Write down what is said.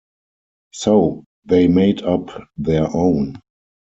So they made up their own.